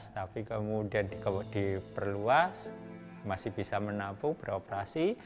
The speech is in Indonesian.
tapi kemudian diperluas masih bisa menampung beroperasi